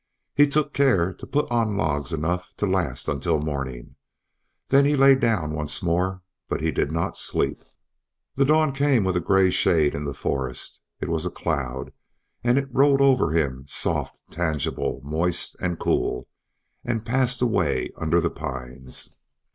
He took care to put on logs enough to last until morning; then he lay down once more, but did not sleep. The dawn came with a gray shade in the forest; it was a cloud, and it rolled over him soft, tangible, moist, and cool, and passed away under the pines.